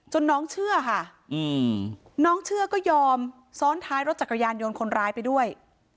น้องเชื่อค่ะน้องเชื่อก็ยอมซ้อนท้ายรถจักรยานยนต์คนร้ายไปด้วย